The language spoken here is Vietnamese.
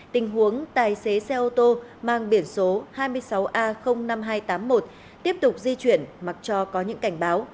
tình huống tài xế xe ô tô mang biển số hai mươi sáu a năm nghìn hai trăm tám mươi một tiếp tục di chuyển mặc cho có những cảnh báo